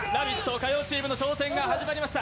火曜チームの挑戦が始まりました。